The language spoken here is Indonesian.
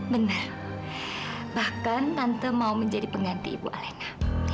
benar bahkan tante mau menjadi pengganti ibu aleka